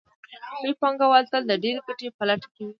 لوی پانګوال تل د ډېرې ګټې په لټه کې وي